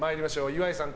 岩井さん